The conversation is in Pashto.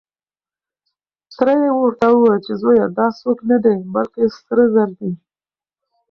تره يې ورته وويل چې زويه دا څوک نه دی، بلکې سره زر دي.